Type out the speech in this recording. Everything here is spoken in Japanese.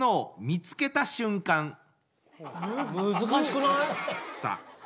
難しくない？